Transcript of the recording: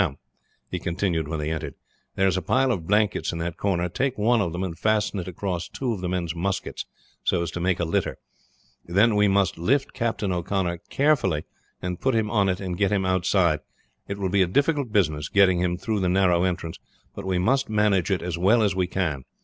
Now," he continued when they entered, "there is a pile of blankets in that corner; take one of them and fasten it across two of the men's muskets, so as to make a litter. Then we must lift Captain O'Connor carefully and put him on it and get him outside. It will be a difficult business getting him through the narrow entrance, but we must manage it as well as we can.